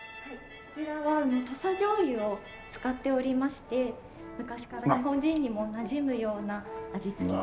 こちらは土佐醤油を使っておりまして昔から日本人にもなじむような味付けに。